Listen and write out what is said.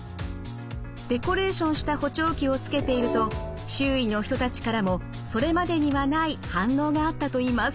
デコレーションした補聴器をつけていると周囲の人たちからもそれまでにはない反応があったといいます。